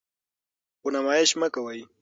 خو نمایش مه کوئ.